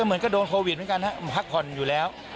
เหมือนก็โดนโควิดเพียงไงมีหักค่อนอยู่แล้ว